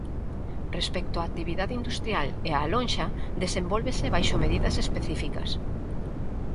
Respecto á actividade industrial e á lonxa, desenvólvese baixo medidas específicas.